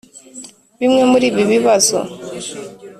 bimwe muri ibi bibazo,